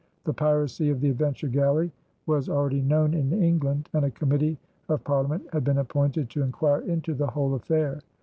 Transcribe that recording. The piracy of the Adventure Galley was already known in England, and a committee of Parliament had been appointed to inquire into the whole affair.